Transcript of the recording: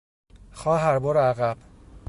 خواهر برو عقب!